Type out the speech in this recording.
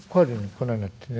こないなってね」。